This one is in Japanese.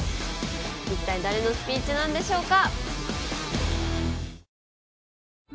一体誰のスピーチなんでしょうか？